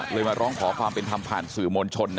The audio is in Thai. เลยมาร้องขอความเป็นทับผั่นสื่อโมนชนนะครับ